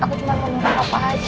aku cuma ngomongin apa aja